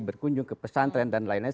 berkunjung ke pesantren dan lain lain